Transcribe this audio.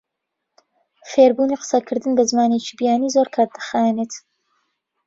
فێربوونی قسەکردن بە زمانێکی بیانی زۆر کات دەخایەنێت.